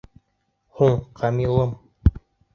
Һуң, Камилым...